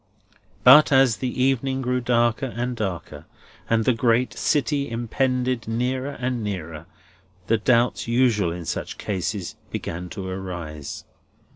But as the evening grew darker and darker, and the great city impended nearer and nearer, the doubts usual in such cases began to arise.